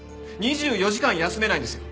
２４時間休めないんですよ。